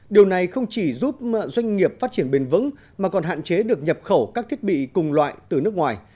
điều này không chỉ giúp doanh nghiệp phát triển bền vững mà còn hạn chế được nhập khẩu các thiết bị cùng loại từ nước ngoài